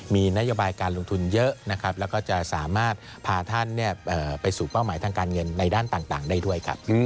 มีนโยบายการลงทุนเยอะนะครับแล้วก็จะสามารถพาท่านไปสู่เป้าหมายทางการเงินในด้านต่างได้ด้วยครับ